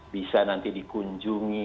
bisa nanti dikunjungi